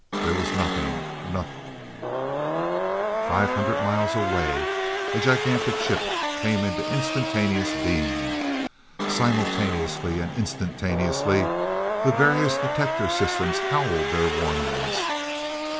There was nothing, noth Five hundred miles away, a gigantic ship came into instantaneous being. Simultaneously, and instantaneously, the various detector systems howled their warnings.